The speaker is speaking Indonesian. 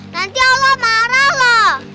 nanti allah marah lah